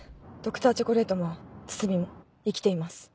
Ｄｒ．チョコレートも堤も生きています。